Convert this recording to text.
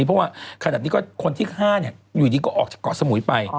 เพราะว่าที่ค่าอยู่ที่ก็ออกจากเกาะสมุยไป